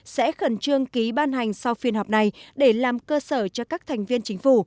sẽ khẩn trương ký ban hành sau phiên họp này để làm cơ sở cho các thành viên chính phủ